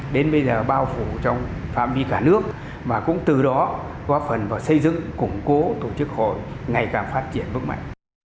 đến bây giờ bao phủ trong phạm vi cả nước mà cũng từ đó góp phần vào xây dựng củng cố tổ chức hội ngày càng phát triển vững mạnh